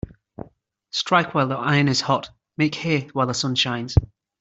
Strike while the iron is hot Make hay while the sun shines.